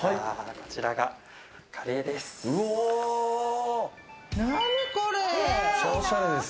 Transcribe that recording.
こちらがカレーです。